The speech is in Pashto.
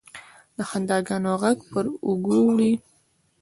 د خنداګانو، ږغ پر اوږو وړي